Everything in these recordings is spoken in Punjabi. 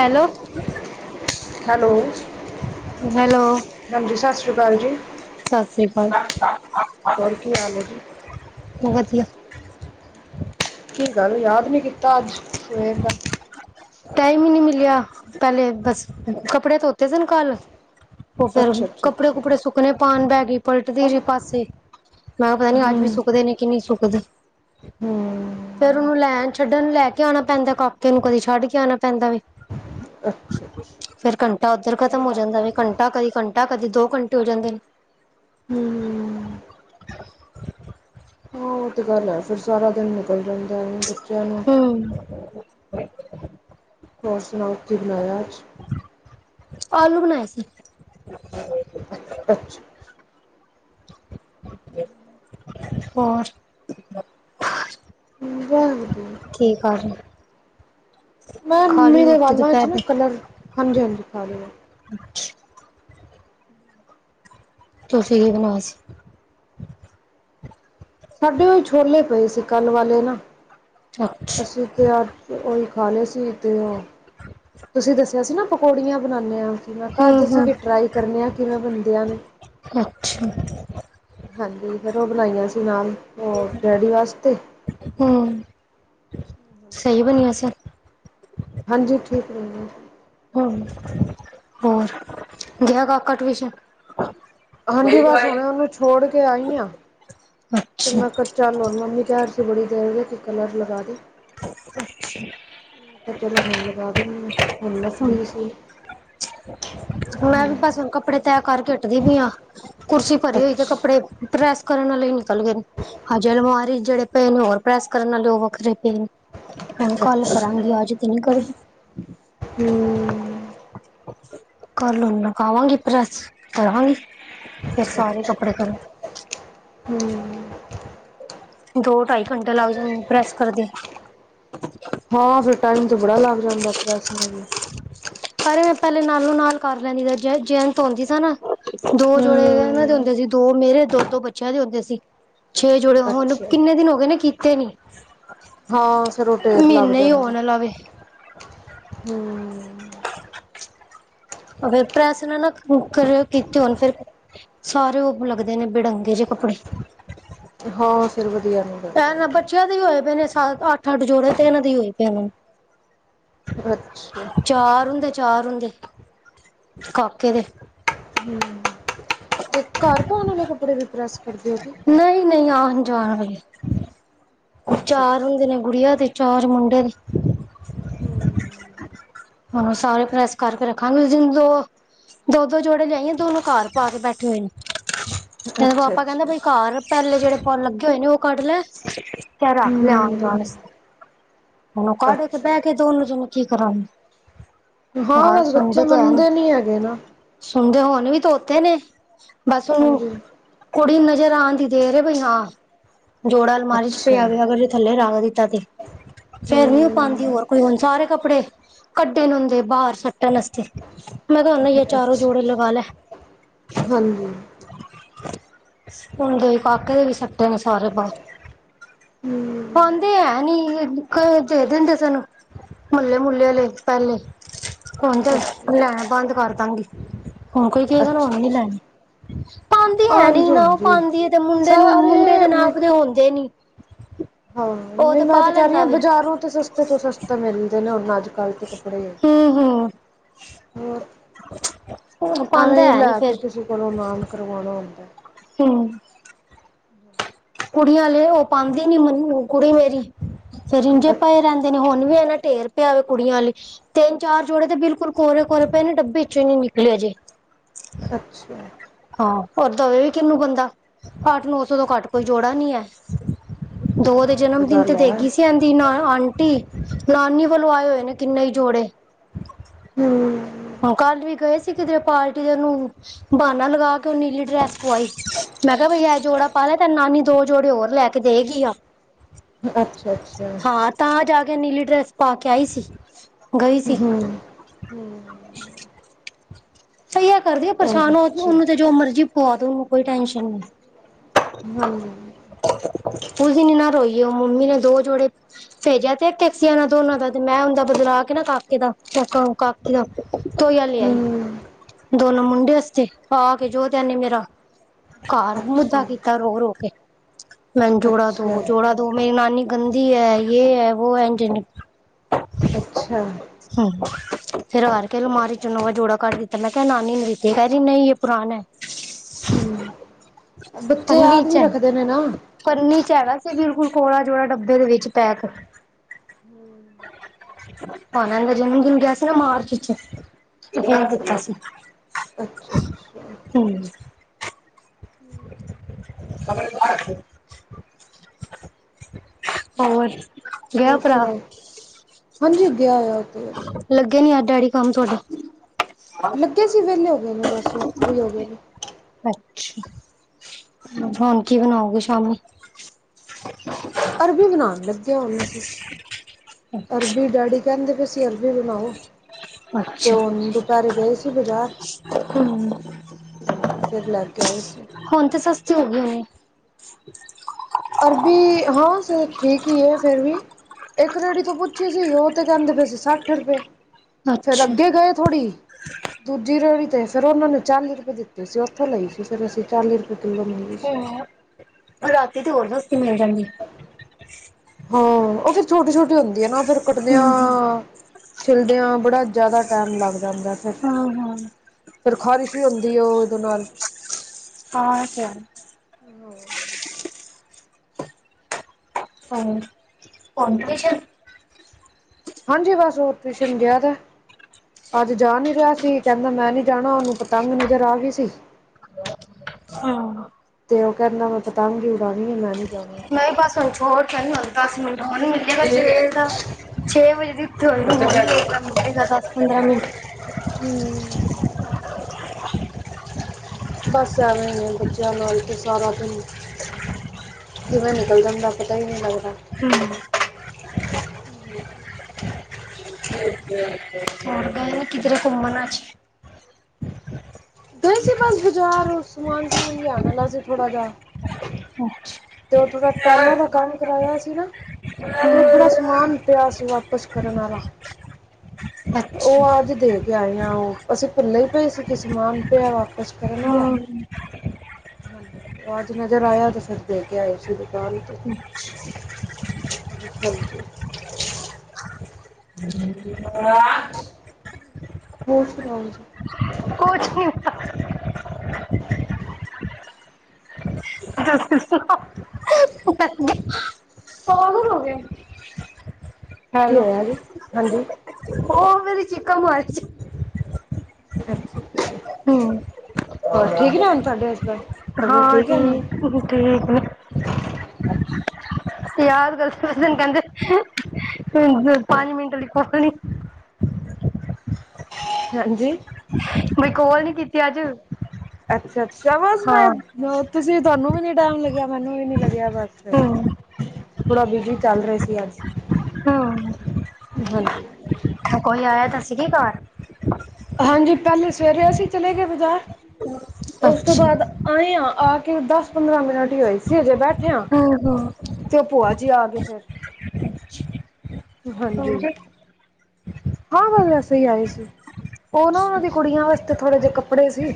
Hello, hello hello. ਹਾਂਜੀ। ਸਤਿ ਸ਼੍ਰੀ ਅਕਾਲ ਜੀ।। ਸਤਿ ਸ੍ਰੀ ਅਕਾਲ। ਹੋਰ ਕੀ ਹਾਲ ਹੈ ਜੀ ਵਧੀਆ। ਕੀ ਗੱਲ, ਯਾਦ ਨਹੀਂ ਕੀਤਾ, ਅੱਜ ਸਵੇਰ ਦਾ। ਟਾਈਮ ਹੀ ਨਹੀਂ, ਮਿਲਿਆ। ਪਹਿਲੇ ਬਸ, ਕੱਪੜੇ ਧੋਤੇ ਸਨ ਕੱਲ। ਉਹ ਫੇਰ, ਅੱਛਾ ਅੱਛਾ ਕੱਪੜੇ- ਅੱਛਾ ਕੁੱਪੜੇ, ਸੁੱਕਣੇੇ ਪਾਉਣ ਬੈ ਗਈ। ਪਲਟਦੀ ਹਮ ਰਹੀ ਪਾਸੇ। ਮੈਂ, ਪਤਾ ਨੀ ਅੱਜ ਵੀ, ਹਮ ਸੁੱਕਦੇ ਨੇ, ਕਿ ਨਹੀਂ ਸੁੱਕਦੇ। ਫੇਰ ਉਹਨੂੰ ਲੈਣ ਚ- ਛੱਡਣ। ਲੈ ਕੇ ਆਉਣਾ ਪੈਂਦਾ। ਕਾਕੇ ਨੂੰ, ਕਦੇ ਛੱਡ ਕੇ ਆਉਣਾ ਪੈਂਦਾ ਵੇ। ਅੱਛਾ ਅੱਛਾ ਫੇਰ ਘੰਟਾ ਉੱਧਰ ਖਤਮ ਹੋ ਜਾਂਦਾ ਵੇ। ਘੰਟਾ, ਕਦੀ ਘੰਟਾ, ਕਦੀ ਦੋ ਘੰਟੇ ਹੋ ਜਾਂਦੇ ਨੇ। ਹੂੰ। ਹਾਂ। ਉਹ ਤੇ, ਗੱਲ ਹੈ। ਫੇਰ ਸਾਰਾ ਦਿਨ, ਨਿਕਲ ਜਾਂਦਾ। ਬੱਚਿਆਂ ਨੂੰ ਹੂੰ। ਹੋਰ ਸੁਣਾਓ, ਕੀ ਬਣਾਇਆ ਅਜ? ਆਲੂ ਬਣਾਏ ਸੀ। ਹ [unintelligible] ਅੱਛਾ ਅੱਛਾ ਹੋਰ? ਬਹੁਤ ਵਧੀਆ। ਕੀ ਕਰਹੇ? ਮੈਂ, ਮੇਰੇ ਵਾਲਾਂ, ਚ ਨਾ ਦੇ ਕਲਰ ਹਾਂਜੀ- ਹਾਂਜੀ, ਲਾ ਲੋ। ਅੱਛਾ। ਤੁਸੀਂ ਕੀ, ਬਣਾਇਆ ਸੀ? ਸਾਡੇ ਔਹੀ, ਛੋਲੇ ਪਏ ਸੀ। ਕੱਲ ਵਾਲੇ ਨਾ, ਅੱਛਾ ਅਸੀਂ ਤੇ ਅ। ਤੇ ਉਹੀ ਖਾ ਲਏ ਸੀ। ਤੇ ਉਹ, ਤੁਸੀਂ ਦੱਸਿਆ ਸੀ, ਨਾ ਪਕੌੜੀਆਂ ਬਣਾਉਦੇ ਹੈ। ਮੈਂ ਕਿਹਾ, ਹੂੰ ਅੱਜ ਅਸੀਂ, ਹੂੰ ਵੀ ਟਰਾਈ ਕਰਨੇ ਹਾਂ, ਕਿਵੇਂ ਬਣਦਿਆਂ ਨੇ। ਅੱਛਾ ਹਾਂਜੀ ਫਿਰ ਉਹ ਬਣਾਈਆਂ ਸੀ ਨਾਲ ਉਹ ਡੈਡੀ ਵਾਸਤੇ। ਹਮ ਸਹੀ ਬਣਿਆ ਸੀ। ਹਾਂਜੀ ਠੀਕ ਰਹਿੰਦੇ। ਹਮ ਹੋਰ ਗਿਆ ਕਾਕਾ ਟਿਉਸ਼ਨ ਹਾਂਜੀ ਬਸ ਹੁਣ ਉਹਨੂੰ ਛੋੜ ਕੇ ਆਈ ਹਾਂ ਤੇ ਅੱਛਾ ਮੈਂ ਕੱਚਾ ਲਾਉਣ ਮੰਮੀ ਘਰ ਸੀ ਬੜੀ ਦੇਰ ਦੇ ਕਲਰ ਲਗਾ ਦੇ [unintelligible] ਅ ੀ [unintelligible] ਚਲੋ ਹੁਣ ਲਗਾ ਦੇਂਦੀ ਹਾਂ ਹੁਣ ਮੈਂ ਫਰੀ ਸੀ [inaudible] ਮੈਂ ਵੀ ਬਸ ਹੁਣ ਕੱਪੜੇ ਤੈਅ ਕਰਕੇ ਉੱਠਦੀ ਵੀ ਆ ਕੁਰਸੀ ਭਰੀ ਹੋਈ ਤੇ ਕੱਪੜੇ ਅੱਛਾ ਪ੍ਰੈਸ ਕਰਨ ਵਾਲੇ ਨਿਕਲ ਗਏ ਨੇ। ਹਜੇ ਅਲਮਾਰੀ ਜਿਹੜੇ ਪਏ ਨੇ ਹੋਰ ਪ੍ਰੈਸ ਕਰਨ ਵਾਲੇ ਉਹ ਵੱਖਰੇ ਪਏ ਨੇ। ਹੈਨ ਕੱਲ ਅੱਛਾ ਕਰਾਂਗੀ ਅੱਜ ਤੇ ਨਹੀਂ ਕਰਦੀ [unintelligible] ਹਮ ਕਰ ਲ ਲਕਾਾਵਾਂਗੀ ਪ੍ਰੈੱਸ ਕਰਾਂਗੀ ਫਿਰ ਸਾਰੇ ਕੱਪੜੇ ਕਰਾਂਗੀ। [unintelligible] ਹਮ ਦੋ ਢਾਈ ਘੰਟੇ ਲੱਗ ਜਾਂਦੇ ਪ੍ਰੈਸ ਕਰਦੇ। ਹਾਂ ਫਿਰ ਟਾਈਮ ਤੇ ਬੜਾ ਲੱਗ ਜਾਂਦਾ ਪ੍ਰੈਸ ਕਰਨ ਨੂੰ ਵੀ ਪਰ ਮੈਂ ਪਹਿਲੇ ਨਾਲੋਂ ਨਾਲ ਕਰ ਲੈਂਦੀ ਸੀ ਜ ਜੈੰਤ ਆਉਂਦੀ ਸੀ ਨਾ ਦੋ ਜੋੜੇ ਉਹਨਾਂ ਦੇ ਹਮ ਆਉਦੇ ਸੀ [unintelligible] ਦੋ ਮੇਰੇ ਦੋ ਦੋ ਬੱਚਿਆਂ ਦੇ ਹੁੰਦੇ ਸੀ ਛੇ ਜੋੜੇ ਹੁਨ ਅੱਛਾ ਕਿੰਨੇ ਦਿਨ ਹੋ ਗਏ ਨੇ ਕੀਤੇ ਨੀ ਹਾਂ ਫਿਰ ਉਹ ਢੇਰ ਲੱਗ ਮਹੀਨਾ ਹੀ ਹੋਣ ਵਾਲਾ ਵੇ ਹਮ ਫਿਰ ਪ੍ਰੈਸ ਨਾ ਨਾ ਕਰ ਕੀਤੀ ਹੁਣ ਫਿਰ ਸਾਰੇ ਉਹ ਲੱਗਦੇ ਨੇ ਬੇੜੰਗੇ ਜਿਹੇ ਕੱਪੜੇ ਹਾਂ ਫਿਰ ਵਧੀਆ ਨਹੀਂ ਵਧ ਇਹ ਨਾ ਬੱਚਿਆਂ ਦੇ ਹੋਏ ਪਏ ਨੇ ਅੱਠ ਅੱਠ ਜੋੜੇ ਤੇ ਇਹਨਾਂ ਦੇ ਹੋਏ ਪਏ ਨੇ ਅੱਛਾ ਚਾਰ ਉਂਦੇ ਚਾਰ ਓਂਦੇ ਕਾਕੇ ਦੇ ਹਮ ਤੇ ਘਰ ਪਾਉਣ ਵਾਲੇ ਕੱਪੜੇ ਵੀ ਪ੍ਰੈਸ ਕਰਦੇ ਹੋ ਨਹੀਂ ਨਹੀਂ ਆਉਣ ਜਾਣ ਵਾਲੇ ਅੱਛਾ ਚਾਰ ਹੁੰਦੇ ਨੇ ਗੁੜੀਆਂ ਤੇ ਚਾਰ ਮੁੰਡੇ ਦੇ ਹਮ ਉਹਨੂੰ ਸਾਰੇ ਪ੍ਰੈਸ ਕਰਕੇ ਰੱਖਾਂਗੇ ਜਦੋ ਦੋ ਦੋ ਜੋੜੇ ਲਿਆਈ ਆ ਦੋਨੋਂ ਘ ਪਾ ਕੇ ਬੈਠੇ ਹੋਏ ਨੇ ਅੱਛਾ ਕ ਅੱਛਾ ਪਾਪਾ ਕਹਿੰਦਾ ਅੱਛਾ ਬਈ ਘ [unintelligible] ਪਹਿਲੇ [unintelligible] ਜਿਹੜੇ ਪਲ ਲੱਗੇ ਹੋਏ ਨੇ ਉਹ ਕੱਢ ਲੈ ਤੇ ਰੱਖ ਲਿਆ ਆਉਣ ਜਾਣ ਹੂੰ ਵਾਸਤੇ ਹਣ ਕੱਢ ਕੇ ਅੱਛਾ ਬਹਿ ਕੇ ਦੋਨੋ ਜਨ ਕੀ ਕਰਾਗੇ [unintelligible] ਹਾਂ ਬਸ ਬੱਚੇ ਮੰਨਦੇ ਨੀ ਹੈਗੇ ਨਾ ਸੁਣਦੇ ਹੋਣ ਵੀ ਤ ਉੱਥੇ ਨੇ ਬਸ ਉਹਨੂੰ ਹਾਂਜੀ [unintelligible] ਕੁੜੀ ਨਜ਼ਰ ਆਉਣ ਦੀ ਦੇ ਰਹੇ ਬਾਈ ਹਾਂ। ਜੋੜਾ ਅਲਮਾਰੀ 'ਚ ਪਿਆ ਅੱਛਾ ਗਿਆ ਅਗਰ ਥੱਲੇ ਰੱਖ ਦਿੱਤਾ ਤੇ ਫੇਰ ਨਹੀ ਉਹ ਪਾਉਂਦੀ ਹੂੰ ਹੋਰ ਕੋਈ ਹੁਣ ਸਾਰੇ ਕੱਪੜੇ ਕੱਢੇ ਹੁੰਦੇ ਬਾਹਰ ਸੱਟਣ ਵਾਸਤੇ ਮੈਂ ਕਿਹਾਨਾ ਹੀ ਆ ਚਾਰੋਂ ਅੱਛਾ ਜੋੜੇ ਲਗਾ ਲੈ [unintelligible] ਹਾਂਜੀ ਹੁਣ ਦੇ ਵੀ ਕਾਕੇ ਦੇ ਵੀ ਸਟੇ ਨੇ ਸਾਰੇ ਬਰ ਹੂੰ ਹਣ [unintelligible] ਹੈ ਨੀ ਦੇ ਦਿੰਦੇ ਸਾਨੂੰ ਮੁੱਲੇ ਮੁੱਲੇ ਵਾਲੇ ਪਹਿਲੇ ਹੁਣ ਅੱਛਾ ਅੱਛਾ ਲੈਣਾ ਬੰਦ ਕਰ ਦਾਂਗੀ ਹੁਣ ਕੋਈ ਕੀ ਕਰ ਅੱਛਾ ਉਹਨ ਨੀ ਅੱਛਾ ਲੈਣੀ ਪਾਉਂਦੀ ਹੈ ਨੀ ਹਾਂਜੀ ਨਾ ਉਹ ਹਾਂਜੀ ਪਾਉਂਦੀ ਹੈ ਤੇ ਮੁੰਡੇ ਸਰ ਨੂੰ ਮੁੰਡੇ ਅਰੇ ਦੇ ਮੈਂ ਨਾਪਦੇ ਹੁੰਦੇ ਨੀ ਹਾਂ ਉਹ ਨਹੀਂ ਮੈਂ ਪਾ ਤੇ ਕਹਿ ਰਹੀ ਲੈਂਦਾ ਹਾਂ ਵੇ ਬਜ਼ਾਰੋਂ ਤੇ ਸਸਤੇ ਤੋਂ ਸਸਤੇ ਮਿਲ ਉਹਨਾ ਜ ਹੂੰ- ਹੂੰ ਹੋਰ [inaudible] ਐਵੇਂ ਹੀ ਹੈ ਨੀ ਲੈ ਫੇਰ ਕੇ ਕਿਸੇ ਕੋਲੋਂ ਨਾਮ ਕਰਵਾਉਣਾ ਹੁੰਦਾ। ਹੂੰ ਹੂੰ [inaudible] ਕੁੜੀਆਂ ਉਹ ਪਾਉਂਦੇ ਨੀਨ ਕੁੜੀ ਮੇਰੀ ਫੇਰ ਇਝੇ ਪਾਏ ਰਹਿੰਦੇ ਅੱਛਾ ਨੇ ਹੁਣ ਵੀ ਇਹਨਾ ਢੇਰ ਪਿਆਵੇ ਕੁੜੀਆਂ ਲਈ ਤਿੰਨ ਚਾਰ ਜੋੜੇ ਤੇ ਬਿਲਕੁਲ ਕੋਹਰੇ ਕੋਰੇ ਪਏ ਨੇ ਡੱਬੇ 'ਚੋਂ ਹੀ ਨੀ ਨਿਕਲੇ ਅਜੇ ਅੱਛਾ ਹਾਂ ਹੋਰ ਦਵੇ ਵੀ ਕਿਹਨੂੰ ਬੰਦਾ ਅੱਠ ਨੌ ਸੌ ਤੋਂ ਘੱਟ ਕੋਈ ਜੋੜਾ ਨੀ ਹੈ। ਦੋ ਇਹਦੇ ਹਾਂ ਉਹ ਜਨਮ ਦਿਨ ਤੇ ਗੱਲ ਹੈ ਦੇਗੀਆ ਸਨ। ਦੀ ਨ ਆਂਟੀ ਨਾਨੀ ਵੱਲੋਂ ਆਏ ਹੋਏ ਨੇ ਕਿੰਨੇ ਹੀ ਜੋੜੇ ਹੂੰ ਆਹ ਕੱਲ ਵੀ ਗਏ ਸੀ ਕਿਧਰੇ ਪਾਰਟੀ ਦੇ ਨੂੰ ਬਾਨਾ ਲਗਾ ਕੇ ਉਹ ਨੀਲੀ ਡਰੈਸ ਪਵਾਈ ਮੈਂ ਕਿਹਾ ਬਈ ਐ ਜੋੜਾ ਪਾ ਲੈ ਤੇ ਨਾਨੀ ਦੋ ਜੋੜੇ ਹੋਰ ਲੈ ਦੇਗੀ ਆ। ਅੱਛਾ-ਅੱਛਾ ਹਾਂ ਤਾਂ ਜਾ ਕੇ ਨੀਲੀ ਡਰੈਸ ਪਾ ਕੇ ਆਈ ਸੀ ਗਈ ਸੀ। ਹਮ ਹਮ ਸਹੀ ਹੈ ਕਰਦੇ ਪਰੇਸ਼ਾਨ ਹੋ ਅੱਛਾ ਉਹਨੂੰ ਤੇ ਜੋ ਮਰਜੀ ਪੂਆ ਦੋ ਉਹਨੂੰ ਕੋਈ ਟੈਨਸ਼ਨ ਨਹੀਂ। ਹਾਂਜੀ [inaudible] ਉਸਦੀ ਇਨਾ ਰੋਈ ਏ ਉਹ ਮੰਮੀ ਨੇ ਦੋ ਜੋੜੇ ਭੇਜਿਆ ਤੇ ਇਕ -ਇਕ ਸੀ ਉਹਨਾਂ ਦੋਨਾ ਦਾ ਤੇ ਮੈਂ ਔਂਦਾ ਬਦਲਾ ਕੇ ਨਾ ਕਾਕੇ ਦਾ ਕ ਕਾਕੇ ਤੋਈਆਂ ਲ ਆਈ, ਹਮ ਦੋਨੋ ਮੁੰਡੇ ਆਸਤੇ ਆ ਕੇ ਜੋ ਕਹਿੰਦੀ ਮੇਰਾ ਘਾਰ ਮੁੱਦਾ ਅੱਛਾ ਕੀਤਾ ਰੋ -ਰੋ ਕੇ, ਮੈਨੂੰ ਜੋੜਾ ਅੱਛਾ ਦੋ ਜੋੜਾ ਤੋ ਮੇਰੀ ਨਾਨੀ ਗੰਦੀ ਹੈ ਯੇ ਹੈ ਵੋ ਹੈ ਐਂਜ-ਐਂਜ ਅੱਛਾ [inaudible] ਫੇਰ ਹਾਰ ਕੇ ਅਲਮਾਰੀ 'ਚੋ ਨਵਾਂ ਜੋੜਾ ਕੱਢ ਦਿੱ ਮੈਂ ਕਿਹਾ ਨਾਨੀ ਨੂੰ ਦਿੱਤੀ ਕਹਿ ਰਹੀ ਨਹੀਂ ਇਹ ਪੁਰਾਣਾ ਹਮ ਬੱਚੇ ਪੰਨੀ ਯਾਦ ਚ ਵੀ ਹੈ ਰੱਖਦੇ ਨੇ ਨਾ। ਪੰਨੀ 'ਚ ਹੈਗਾ ਸੀ ਬਿਲਕੁਲ ਕੋਰਾ ਜੋੜਾ ਡੱਬੇ ਦੇ ਵਿੱਚ ਪੈਕ ਹੂੰ ਭਾਣ [unintelligible] ਦਾ ਜਨਮ ਦਿਨ ਗਿਆ ਸੀ ਨਾ ਮਾਰਚ 'ਚ ਤੇ ਤਾਂ ਦਿੱਤਾ ਸੀ। [inaudible] ਅੱਛਾ- ਅੱਛਾ ਹੋਰ ਜੀ। [unintelligible] ਹੋਰ ਗਿਆ ਹੋਰ ਭਰਾ ਸੁਨਾਓ ਹਾਂਜੀ ਗਿਆ ਹੋਇਆ ਉਥੇ ਲੱਗੇ ਨੀ ਅੱਜ ਡੈਡੀ ਕੰਮ ਤੁਹਾਡੇ ਲੱਗੇ ਸੀ ਵਿਹਲੇ ਹੋ ਗਏ ਨੇ ਬਸ ਫਰੀ ਹੋ ਗਏ ਨੇ। ਅੱਛਾ, ਹੁਣ ਕੀ ਬਣਾਉਗੇ ਸ਼ਾਮੀ? ਅਰਬੀ ਬਣਾਉਣ ਲੱਗੇ ਆ ਹੁਣ ਅਸੀਂ। ਅਰਬੀ ਡੈਡੀ ਕਹਿੰਦੇ ਵੀ ਅਸੀਂ ਅਰਬੀ ਬਣਾਓ ਤੇ ਅੱਛਾ, ਉਹਨ ਦੁਪਹਿਰੇ ਗਏ ਸੀ ਬਜ਼ਾਰ [inaudible] ਹਾਂਜੀ ਫਿਰ ਲੈ ਕੇ ਆਏ ਸੀ। ਹੁਣ ਤਾਂ ਸਸਤੀ ਹੋ ਗਈ ਹੋਨੀ। ਅਰਬੀ ਹਾਂ ਸਰ ਠੀਕ ਹੀ ਹੈ ਫਿਰ ਵੀ ਇੱਕ ਰੇੜੀ ਤੋਂ ਪੁੱਛੀ ਸੀ ਉਹ ਤੇ ਕਹਿੰਦੇ ਪਏ ਸੀ ਸੱਠ ਰੁਪਏ ਫੇਰ ਅੱਛਾ। ਅੱਗੇ ਗਏ ਥੋੜ੍ਹੀ ਦੂਜੀ ਰੇੜੀ ਤੇ ਫੇਰ ਉਹਨਾ ਨੇ ਚਾਲੀ ਰੁਪਏ ਦਿੱਤੇ ਸੀ ਉੱਥੋਂ ਲਈ ਸੀ ਫਿਰ ਅਸੀਂ ਚਾਲੀ ਰੁਪਏ ਕਿੱਲੋ ਮੀਲੀ ਸੀ। ਹੂੰ, ਰਾਤੀ ਤੇ ਹੋਰ ਸਸਤੀ ਮਿਲ ਜਾਂਦੀ ਏ। ਹਾਂ ਉਹ ਫੇਰ ਛੋਟੀ- ਛੋਟੀ ਹੁੰਦੀ ਆ ਨਾ ਫੇਰ ਕੱਟਦਿਆਂ ਹੂੰ, ਛਿੱਲਦਿਆਂ ਬੜਾ ਜ਼ਿਆਦਾ ਟਾਈਮ ਲੱਗ ਜਾਂਦਾ ਫਿਰ, ਹਾਂ-ਹਾਂ, ਫਿਰ ਖ਼ਾਰਿਸ਼ ਵੀ ਹੁੰਦੀ ਹੈ ਉਹ ਇਹਦੇ ਨਾਲ ਹਾਂ ਇਹ ਤੇ ਹੈ ਹੀ ਐ ਹਮ [unintelligible] ਹਾਂਜੀ ਬਸ ਹੋਰ ਟਿਊਸ਼ਨ ਗਿਆ ਦਾ। ਅੱਜ ਜਾ ਨੀ ਰਿਹਾ ਸੀ ਕਹਿੰਦਾ ਮੈਂ ਨੀ ਜਾਣਾ, ਉਹਨੂੰ ਪਤੰਗ ਨਜ਼ਰ ਆ ਗਈ ਸੀ। ਹਾਂ ਤੇ ਉਹ ਕਹਿਿੰਨਾ ਮੈਂ ਪਤੰਗਗੀ ਉਡਾਣੀ ਹੈ ਮੈਂ ਨਹੀਂ ਜਾਣਾ। ਮੈਂ ਬਸ ਹੁਣ ਹੋਰ ਕਹਿ ਦਸ ਮਿੰਟ ਹੋਰੀ ਮਿਲਿਆ ਤਾਂ ਛੇ ਵਜੇ ਦੀ ਦਸ ਪੰਦਰਾਂ ਮਿੰਟ ਹਮ, ਬਸ ਐਵੇਂ ਨੇ ਬੱਚਿਆਂ ਨਾਲ ਤੇ ਸਾਰਾ ਦਿਨ ਕਿ ਮੈਂ ਨਿਕਲਦਾਦਾ ਪਤਾ ਹੀ ਨਹੀਂ ਲੱਗਦਾ। ਹਮ ਹ ਹੋਰਗਾਏ ਨਾ ਕਿਧਰੇ ਘੁੰਮਣਾ ਚ ਗਏ ਸੀ ਬਸ ਬਾਜ਼ਾਰ ਸਮਾਨ ਸਮੁਨ ਲਿਆਉਣ ਲਾ ਸੀ ਥੋੜਾ ਜਾ। ਅਛ ਤੇ ਉਹ ਥੋੜਾ ਟਹਿਲਾਂ ਦਾ ਕੰਮ ਕਰਾਇਆ ਸੀ ਨਾ ਤੇ ਉਹ ਥੋੜਾ ਸਮਾਨ ਪਿਆ ਸੀਗਾ ਪਸ ਕਰਨ ਵਾਲਾ, ਅੱਛਾ ਉਹ ਅੱਜ ਦੇਖ ਆਂ ਉਹ, ਅਸੀਂ ਪੱਲੇ ਪਏ ਸੀ ਕਿ ਸਮਾਨ ਪਿਆ ਵਾਪਿਸ ਕਰਨ ਵਾਲਾ ਹਮ ਹਾਂਜੀ ਆਹਜ ਨਜ਼ਰ ਆਇਆ ਤੇ ਫਿਰ ਲੈ ਕੇ ਆਏ ਸੀ ਦੁਕਾਨ 'ਤੇ ਹਾਂਜੀ। ਆ ਬਹੁਤ ਸੁਣਾਓ ਜ ਕੁਛ ਨੀ [unintelligible] ਗੇ ਕੀ ਹੈਲੋ [unintelligible] ਹੋਇਆ ਜੀ ਹਾਂਜੀ ਉਹ ਫੇਰੀ ਚੀਕਕਾ ਮਰਚ ਅੱਛਾ- ਅੱਛਾ ਹਮ ਹੋਰ ਠੀਕ ਨੇ ਹੁਣ ਸਾਡੇ ਇਸ ਸਾਡੇ ਹਾਂ ਠੀਕ ਆ ਨਾ। ਠੀਕ ਅੱਛਾ। ਯਾਦ ਗੱਲ ਦਿਨ ਕਹਿੰਦੇ ਪੰਜ ਮਿੰਟ ਲਈ ਪਤਣੀ ਹਾਂਜੀ ਮਈ ਕੋਲ ਨੀ ਕੀਤੀ। ਅੱਜ ਅੱਛਾ- ਅੱਛਾ ਬਸ ਹਾਂ ਮੈਂ ਤੁਸੀਂ ਤੁਹਾਨੂੰ ਵੀ ਨੀ ਟਾਈਮ ਲੱਗਿਆ ਮੈਨੂੰ ਵੀ ਨੀ ਲੱਗਿਆ ਬਸ ਹਮ ਥੋੜਾ ਬਿਜੀੀ ਚੱਲ ਰਿਹਾ ਸੀ ਅੱਜ। ਹਮ ਹਾਂਜੀ। ਕੋਈ ਆਇਆ ਤਾਂ ਸੀਗੀ ਘਰ ਹਾਂਜੀ ਪਹਿਲੇ ਸਵੇਰੇ ਅਸੀਂ ਚਲੇ ਗਏ ਬਾਜ਼ਾਰ ਉਸ ਤੋਂ ਅੱਛਾ ਬਾਅਦ ਆਏਂ ਹ ਆ ਕੇ ਦਸ ਪੰਦਰਾਂ ਮਿੰਟ ਹੀ ਹੋਏ ਸੀ ਹਜੇ ਬੈਠੇ ਹ ਹਮ ਹਮ ਤੇ ਉਹ ਭੂਆ ਜੀ ਆ ਗ ਫਿਰ ਹਾਂਜੀ। ਹਾਂ ਬਸ ਵੈਸੇ ਹੀ ਆਏ ਸੀ ਉਹ ਨਾ ਉਹਨਾਂ ਦੀ ਕੁੜੀਆਂ ਵਾਸਤੇ ਥੋੜੇ ਜਿਹੇ ਕੱਪੜੇ ਸੀ।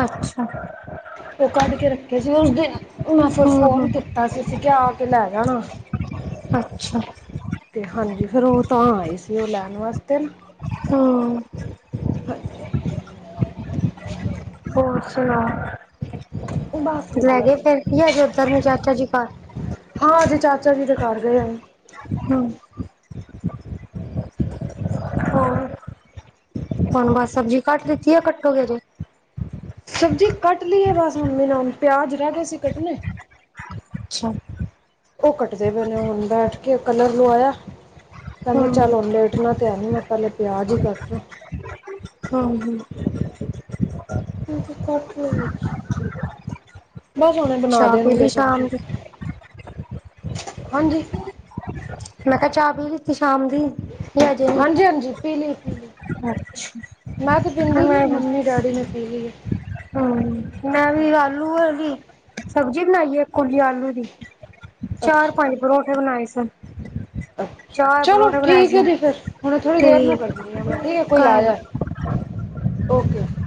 ਅੱਛਾ ਉਹ ਕੱਢ ਕੇ ਰੱਖੇ ਸੀ ਉਸ ਦਿਨ ਮੈਂ ਫਿਰ ਹਮ ਫੋਨ ਹਮ ਕੀਤਾ। ਤਾਂਸੀਸੀ ਕਿਹਾ ਆ ਕੇ ਲੈ ਜਾਣਾ। ਅੱਛਾ ਤੇ ਹਾਂਜੀ ਫੇਿਰ ਉਹ ਤਾਂ ਆਏ ਸੀ ਉਹ ਲੈਣ ਵਾਸਤੇ ਨਾ ਹਮ ਹੋਰ ਚਲੋ ਬਸ ਲੈ ਵਧੀਆ ਗਏ ਜੀ ਫੇਰ ਕੀ ਆਜੇ ਉਓਧਰ ਨੂੰ ਚਾਚਾ ਜੀ ਘਰ ਹਾਂ ਜੇ ਚਾਚਾ ਜੀ ਦੇ ਘਰ ਗਏ। ਹਮ ਹੋਰ ਹੁਣ ਬਸ ਸਬਜ਼ੀ ਕੱਟ ਲਿੱਤੀ ਆ ਕੱਟੋ ਕੇ ਜੇ ਸਬਜ਼ੀ ਕੱਟ ਲਈ ਹੈ ਬਸ ਮੰਮੀ ਨ ਪਿਆਜ ਰਹਿ ਗਏ ਸੀ ਕੱਟਣੇ। ਅੱਛਾ ਉਹ ਕੱਟਦੇ ਪਏ ਨੇ ਹੁਣ ਬੈਠ ਕੇ ਕਲਰ ਲਵਾਇਆ ਹੂੰ ਕਹਿੰਦੇ ਚੱਲ ਲੇਟਣਾ ਤੇ ਹੈ ਨ ਮੈਂ ਪਹਿਲੇ ਪਿਆਜ ਹੀ ਕੱਟਣਾ ਹਮ ਹਮ ਕਿਉਂਕਿ ਕੱਟ ਵਿੱਚ ਬਸ ਉਹ ਓਨੇ ਬਣਾ ਚਾਹ ਪੀ ਦੇਣਗੇ ਲਈ ਸਬਜ਼ੀ ਸ਼ਾਮ ਦੀ ਹਾਂਜੀ ਮੈਂ ਕਿਹਾ ਚਾਹ ਪੀ ਲਿੱਤੀ ਸ਼ਾਮ ਦੀ ਜਾਂ ਅਜੇ ਨੀ ਹਾਂਜੀ ਹਾਂਜੀ ਪੀਲੀ ਪੀਲੀ ਅੱਛਾ ਮੈਂ ਤੇ ਪੀਂਦੀ ਨੀ ਮੰਮੀ ਡੈਡੀ ਨੇ ਪੀ ਲੀ ਆ ਹਮ ਮੈਂ ਵੀ ਆਲੂ ਦੀ ਸਬਜ਼ੀ ਬਣਾਈ ਆ ਇੱਕ ਕੁਲੀ ਆਲੂ ਦੀ ਚਾਰ ਅੱਛਾ ਪੰਜ ਪਰੌਂਠੇ ਬਣਾਏ ਸੀ ਚਲੋ ਠੀਕ ਹੈ ਜੀ ਫੇਰ ਹੁਣ ਥੋੜ੍ਹੀ ਦੇਰ ਨੂੰ ਕਰ ਤੇ ਆ ਮੈਂ ਠੀਕ ਹੈ ਕੋਈ ਆ ਜਾ। ਓਕੇ। ‌